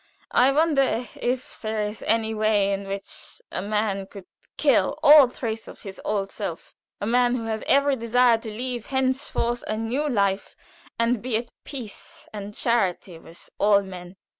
I wonder if there is any way in which a man could kill all trace of his old self; a man who has every desire to lead henceforth a new life, and be at peace and charity with all men.